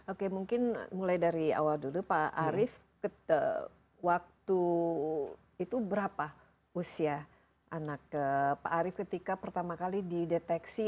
oke mungkin mulai dari awal dulu pak arief waktu itu berapa usia anak pak arief ketika pertama kali dideteksi